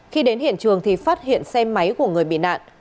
khi đến hiện trường thì phát hiện xe máy của người bị nạn